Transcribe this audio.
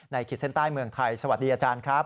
ขีดเส้นใต้เมืองไทยสวัสดีอาจารย์ครับ